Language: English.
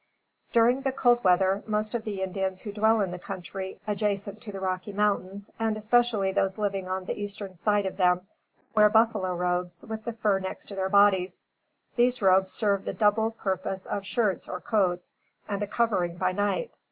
During the cold weather, most of the Indians who dwell in the country adjacent to the Rocky Mountains, and especially those living on the eastern side of them, wear buffalo robes with the fur next to their bodies. These robes serve the double purpose of shirts or coats, and a covering by night.